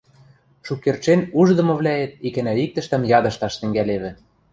Шукердшен уждымывлӓэт икӓнӓ-иктӹштӹм ядышташ тӹнгӓлевӹ.